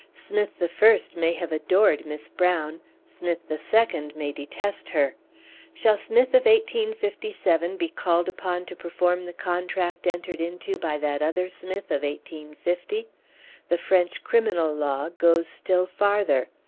Smith the first may have adored Miss Brown; Smith the second may detest her. Shall Smith of 1857 be called upon to perform the contract entered into by that other Smith of 1850? The French criminal law goes still farther.